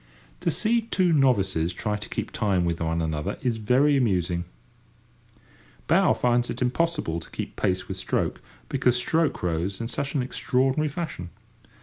To see two novices try to keep time with one another is very amusing. Bow finds it impossible to keep pace with stroke, because stroke rows in such an extraordinary fashion.